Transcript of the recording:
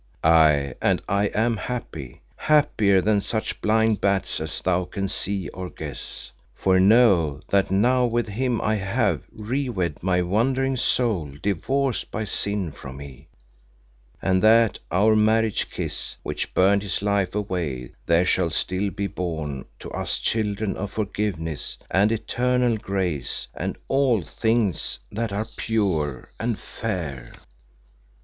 Aye and I am happy happier than such blind bats as thou can see or guess. For know that now with him I have re wed my wandering soul divorced by sin from me, and that of our marriage kiss which burned his life away there shall still be born to us children of Forgiveness and eternal Grace and all things that are pure and fair.